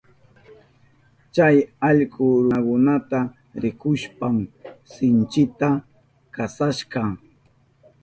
Chay allkuka runakunata rikushpan sinchita kasashka.